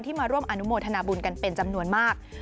มาร่วมอนุโมทนาบุญกันเป็นจำนวนมาก